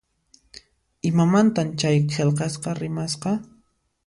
Imamantan chay qillqasqa rimasqa?